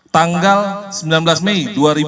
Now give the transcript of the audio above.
tanggal sembilan belas mei dua ribu dua puluh